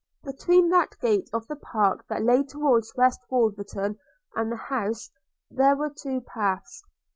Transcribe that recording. Between that gate of the park that lay towards West Wolverton, and the house, there were two paths.